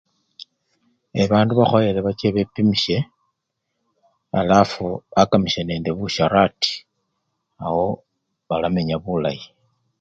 E! bandu bakhoyele bache bepimisye alafu bakamisye nende busyarati, awo balamenya bulayi.